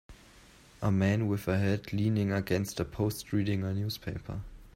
A man with a hat leaning against a post reading a newspaper.